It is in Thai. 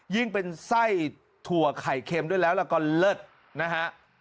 ยิ่งเป็นไส้ถั่วไข่เค็มด้วยแล้วก็เลิศนะฮะ